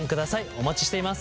お待ちしています。